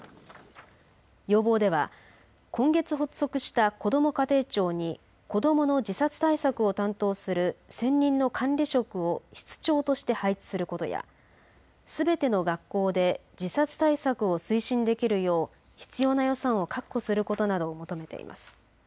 要望では今月発足したこども家庭庁に子どもの自殺対策を担当する専任の管理職を室長として配置することやすべての学校で自殺対策を推進できるよう必要な予算を確保することなどを求めています。